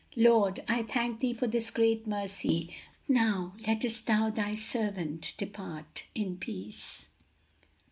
"Lord, I thank thee for this great mercy! 'Now lettest thou thy servant depart in peace.'"